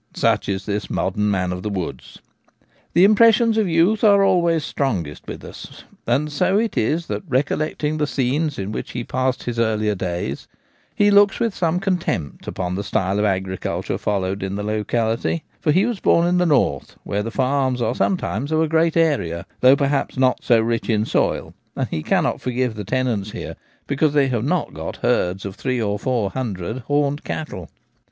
Such is this modern man of the woods. The impressions of youth are always strongest with us, and so it is that recollecting the scenes in which he passed his earlier days he looks with some contempt upon the style of agriculture followed in the locality ; for he was born in the north, where the farms are some times of a great area, though perhaps not so rich in soil, and he cannot forgive the tenants here because they have not got herdsj of three or four hundred horned cattle.